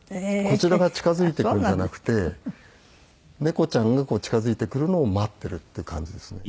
こちらが近づいていくんじゃなくて猫ちゃんが近づいてくるのを待ってるっていう感じですね